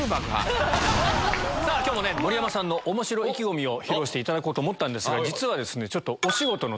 今日も盛山さんのおもしろ意気込みを披露していただこうと思ったんですけど。